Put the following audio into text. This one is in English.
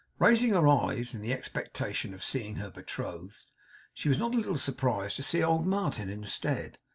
Raising her eyes in the expectation of seeing her betrothed, she was not a little surprised to see old Martin instead.